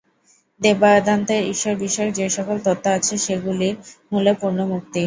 বেদান্তে ঈশ্বরবিষয়ক যে-সকল তত্ত্ব আছে, সেগুলির মূলে পূর্ণ মুক্তি।